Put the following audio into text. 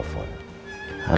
alhamdulillah papa jadi lega